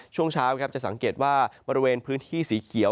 ช่วงเช้าจะสังเกตว่าบริเวณพื้นที่สีเขียว